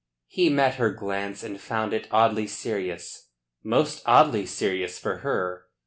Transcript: He met her glance, and found it oddly serious most oddly serious for her.